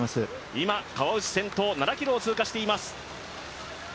今、川内先頭、７ｋｍを通過しています。